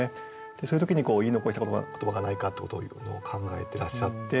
そういう時に「言い残した言葉がないか」ってことを考えてらっしゃって。